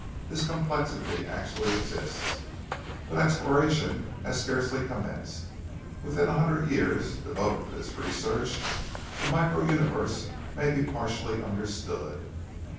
This complexity actually exists; but exploration has scarcely commenced. Within a hundred years, devoted to this research, the micro universe may be partially understood.